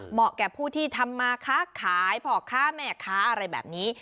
แก่ผู้ที่ทำมาค้าขายพ่อค้าแม่ค้าอะไรแบบนี้